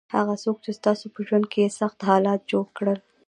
هغه څوک چې تاسو په ژوند کې یې سخت حالات جوړ کړل.